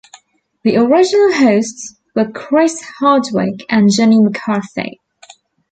The original hosts were Chris Hardwick and Jenny McCarthy.